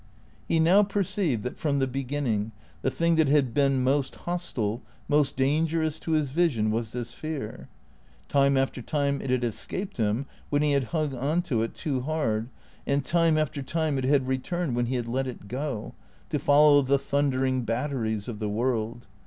He now perceived that, from the beginning, the thing that had been most hostile, most dangerous to his vision Avas this fear. Time after time it had escaped him when he had hung on to it too hard, and time after time it had returned when he had let it go, to follow the thundering batteries of the world.